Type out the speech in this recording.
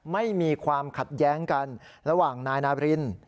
ไม่มีความขัดแย้งกันระหว่างนายนาบริน